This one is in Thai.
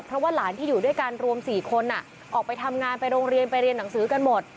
เพราะว่าหลานที่อยู่ด้วยกันรวม๔คนออกไปทำงานไปโรงเรียนไปเรียนหนังสือกันหมด